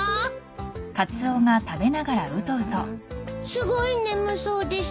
すごい眠そうです。